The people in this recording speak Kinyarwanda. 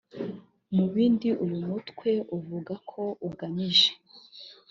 Mu bindi uyu mutwe uvuga ko ugamije